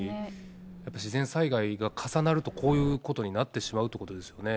やっぱ自然災害が重なると、こういうことになってしまうということですよね。